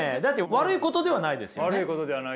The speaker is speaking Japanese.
悪いことではないですよね。